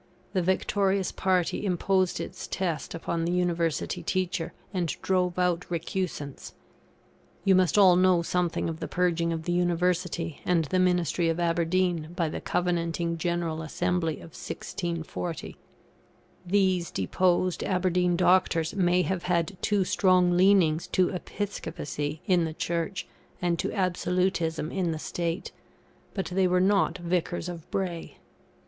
The victorious party imposed its test upon the University teacher, and drove out recusants. You must all know something of the purging of the University and the Ministry of Aberdeen by the Covenanting General Assembly of 1640. These deposed Aberdeen doctors may have had too strong leanings to episcopacy in the Church and to absolutism in the State, but they were not Vicars of Bray.